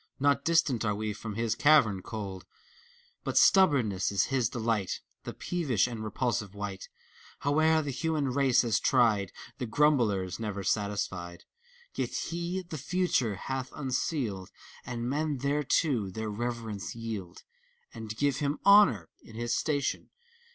Not distant are we from his cavern cold. But stubbornness is his delight. The peevish and repulsive wight ACT IL 119 Howe'er the hnman race has tried, The Grumbler's never satisfied: Yet he the Futnre hath unsealed. And men thereto their reverence yield, And give him honor in his station.